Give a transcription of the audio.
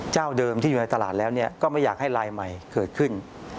เจ้าเดิมที่อยู่ในตลาดแล้วก็ไม่อยากให้ลายใหม่เกิดขึ้น